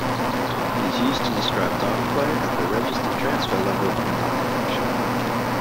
It is used to describe data flow at the register-transfer level of an architecture.